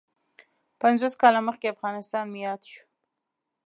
پنځوس کاله مخکې افغانستان مې یاد شو.